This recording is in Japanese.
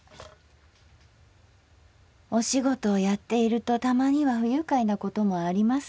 「お仕事をやっているとたまには不愉快なこともありますよ。